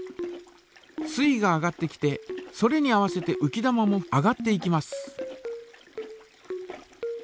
水位が上がってきてそれに合わせてうき玉も上がっていきます。